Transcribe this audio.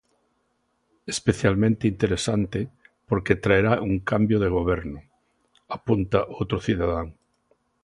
Especialmente interesante porque traerá un cambio de goberno, apunta outro cidadán.